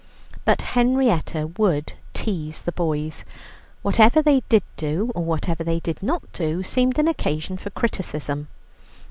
But Henrietta would tease the boys. Whatever they did do, or whatever they did not do, seemed an occasion for criticism.